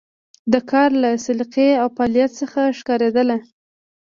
د کار له سلیقې او فعالیت څخه ښکارېدله.